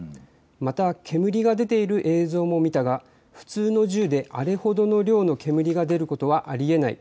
また煙が出ている映像も見たが普通の銃であれほどの量の煙が出ることはありえない。